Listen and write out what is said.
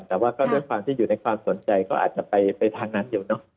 แต่ว่าก็ด้วยความที่อยู่ในความสนใจก็อาจจะไปทางนั้นอยู่เนอะ